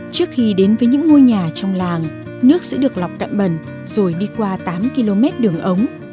trước khi đến với những ngôi nhà trong làng nước sẽ được lọc cặm bần rồi đi qua tám km đường ống